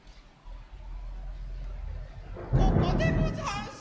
ここでござんす。